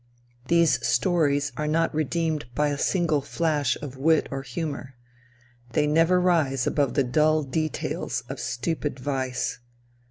These stories are not redeemed by a single flash of wit or humor. They never rise above the dull details of stupid vice.